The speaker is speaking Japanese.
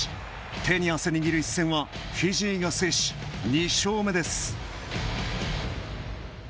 手に汗握る一戦はフィジーが制し２勝目です。